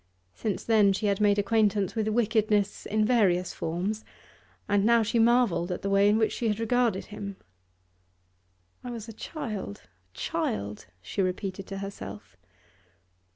Since then she had made acquaintance with wickedness in various forms, and now she marvelled at the way in which she had regarded him. 'I was a child, a child,' she repeated to herself.